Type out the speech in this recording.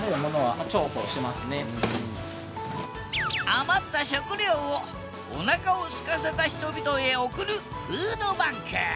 余った食料をおなかをすかせた人々へ送るフードバンク。